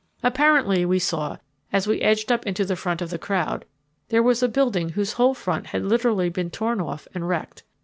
Apparently, we saw, as we edged up into the front of the crowd, here was a building whose whole front had literally been torn off and wrecked.